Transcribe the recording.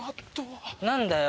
何だよ？